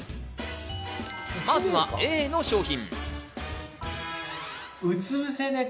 まずはＡの商品。